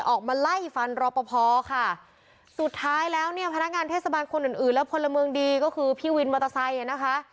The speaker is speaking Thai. ออกมาไล่ฟันรอปภค่ะสุดท้ายแล้วเนี่ยพนักงานเทศบาลคนอื่นอื่นและพลเมืองดีก็คือพี่วินมอเตอร์ไซค์อ่ะนะคะ